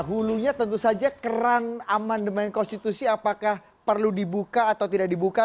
hulunya tentu saja keran amandemen konstitusi apakah perlu dibuka atau tidak dibuka